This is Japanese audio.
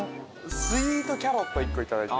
スイートキャロット１個頂いて。